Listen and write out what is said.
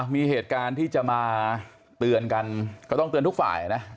มีเหตุการณ์ที่จะมาเตือนกันก็ต้องเตือนทุกฝ่ายนะ